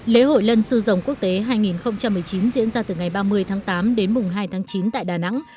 lễ hội lân sư dòng quốc tế hai nghìn một mươi chín diễn ra từ ngày ba mươi tháng tám đến mùng hai tháng chín tại đà nẵng